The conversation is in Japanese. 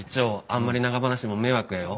あんまり長話も迷惑やよ。